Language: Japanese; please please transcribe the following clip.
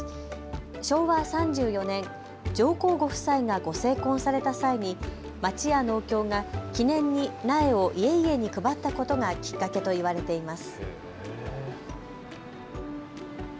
昭和３４年、上皇ご夫妻がご成婚された際に町や農協が記念に苗を家々に配ったことがきっかけと言われています。